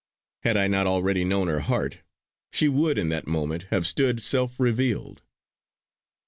Had I not already known her heart, she would in that moment have stood self revealed.